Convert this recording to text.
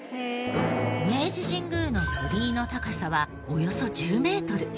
明治神宮の鳥居の高さはおよそ１０メートル。